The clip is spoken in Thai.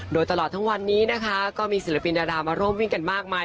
โดยตลอดทั้งวันนี้นะคะก็มีศิลปินดารามาร่วมวิ่งกันมากมาย